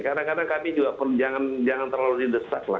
kadang kadang kami juga jangan terlalu didesak lah